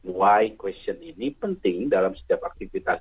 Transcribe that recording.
y question ini penting dalam setiap aktivitas